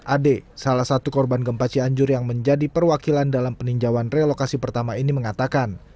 ade salah satu korban gempa cianjur yang menjadi perwakilan dalam peninjauan relokasi pertama ini mengatakan